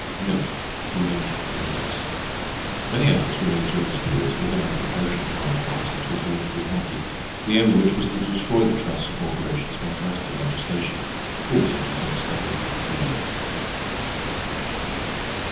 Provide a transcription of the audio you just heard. Many efforts were made during this period to organize the perishing farmer class into a political party, the aim of which was to destroy the trusts and corporations by drastic legislation. All such attempts ended in failure.